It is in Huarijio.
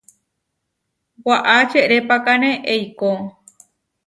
Waʼá čerepákane eikó.